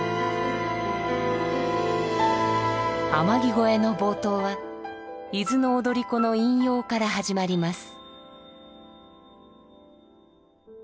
「天城越え」の冒頭は「伊豆の踊子」の引用から始まります。